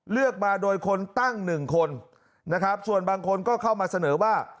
เลือกมาโดยคนตั้ง๑คนส่วนบางคนเข้ามาเสนอว่า